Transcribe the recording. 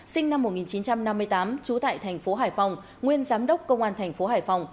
sinh năm một nghìn chín trăm năm mươi tám trú tại thành phố hải phòng nguyên giám đốc công an thành phố hải phòng